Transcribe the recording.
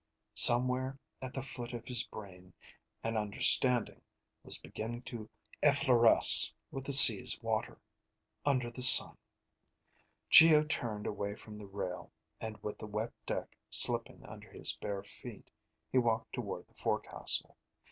Somewhere at the foot of his brain, an understanding was beginning to effloresce with the sea's water, under the sun. Geo turned away from the rail, and with the wet deck slipping under his bare feet, he walked toward the forecastle.